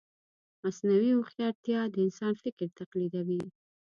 مصنوعي هوښیارتیا د انسان فکر تقلیدوي.